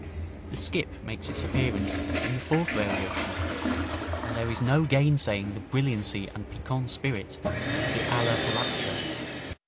The skip makes its appearance in the fourth variation, and there is no gainsaying the brilliancy and piquant spirit of the Alla Polacca.